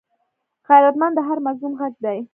غیرتمند د هر مظلوم غږ دی